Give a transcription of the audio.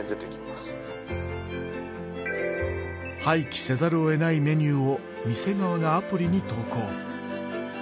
廃棄せざるをえないメニューを店側がアプリに投稿。